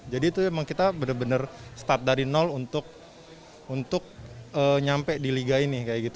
jadi itu memang kita benar benar start dari nol untuk nyampe di liga ini